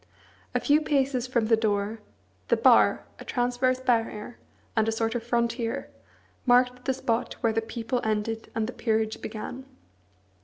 A few paces from the door, the bar, a transverse barrier, and a sort of frontier, marked the spot where the people ended and the peerage began.